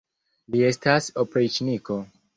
Li estas opriĉniko.